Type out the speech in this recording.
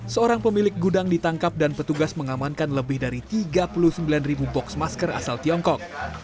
seorang pemilik gudang ditangkap dan petugas mengamankan lebih dari tiga puluh sembilan ribu box masker asal tiongkok